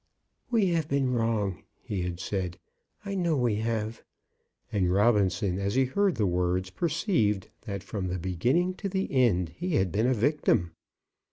"We have been wrong," he had said; "I know we have." And Robinson, as he heard the words, perceived that from the beginning to the end he had been a victim.